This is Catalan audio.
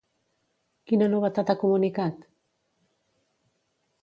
Quina novetat ha comunicat?